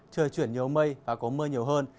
trời chuyển nhiều mây và có mưa nhiều hơn